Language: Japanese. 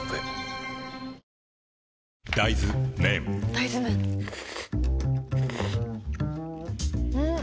大豆麺ん？